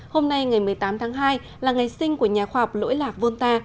hôm nay ngày một mươi tám tháng hai là ngày sinh của nhà khoa học lỗi lạc volta